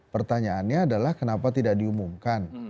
pertanyaannya adalah kenapa tidak diumumkan